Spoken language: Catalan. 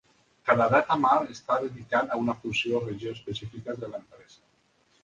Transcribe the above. Cada data mart està dedicat a una funció o regió específiques de l'empresa.